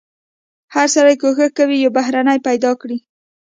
هر سړی کوښښ کوي یو بهرنی پیدا کړي.